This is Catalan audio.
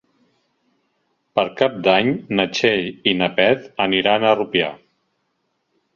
Per Cap d'Any na Txell i na Beth aniran a Rupià.